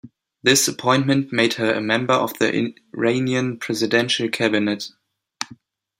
This appointment made her a member of the Iranian Presidential Cabinet.